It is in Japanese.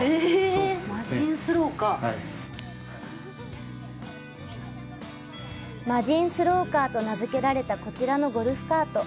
「マジンスローカー」と名付けられたこちらのゴルフカート。